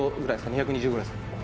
２２０ぐらいですか？